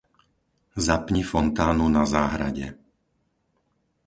Zapni fontánu na záhrade.